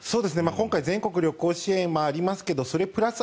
今回、全国旅行支援もありますがそれプラス